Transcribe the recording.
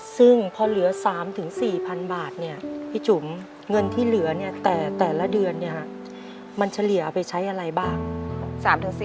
ซึ่งพอเหลือ๓๔๐๐๐บาทเนี่ยพี่จุ๋มเงินที่เหลือเนี่ยแต่ละเดือนเนี่ยมันเฉลี่ยเอาไปใช้อะไรบ้าง